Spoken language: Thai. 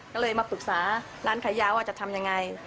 ก็เลยมาปรึกษาร้านขายยาว่าจะทำยังไง